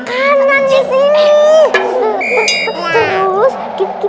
kita kan nggak punya mak